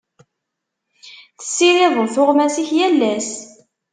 Tessirideḍ tuɣmas-ik yal ass.